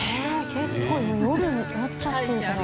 結構もう夜になっちゃってるから。